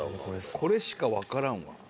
これしかわからんわ？